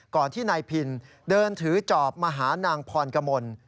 ที่นายพินเดินถือจอบมาหานางพรกมล